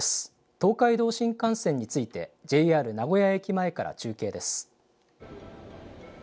東海道新幹線についてＪＲ名古屋駅前から中継です。